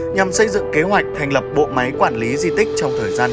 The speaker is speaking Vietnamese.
nhằm xây dựng kế hoạch thành lập bộ máy quản lý di tích trong thời gian gần nhất